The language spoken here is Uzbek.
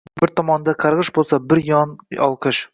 Bir tomonda qargʼish boʼlsa, bir yon olqish.